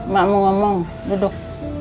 mak mau ngomong duduk